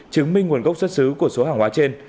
chứng minh nguồn gốc xuất xứ của số hàng hóa trên